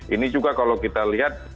ini juga kalau kita lihat